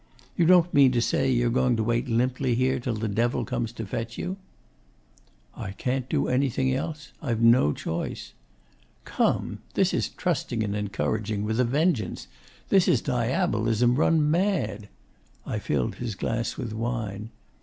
You don't mean to say you're going to wait limply here till the Devil comes to fetch you?' 'I can't do anything else. I've no choice.' 'Come! This is "trusting and encouraging" with a vengeance! This is Diabolism run mad!' I filled his glass with wine.